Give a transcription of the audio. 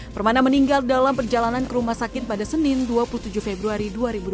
permana meninggal dalam perjalanan ke rumah sakit pada senin dua puluh tujuh februari dua ribu dua puluh